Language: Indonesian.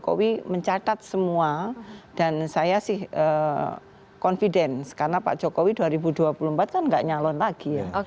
pak jokowi mencatat semua dan saya sih confidence karena pak jokowi dua ribu dua puluh empat kan gak nyalon lagi ya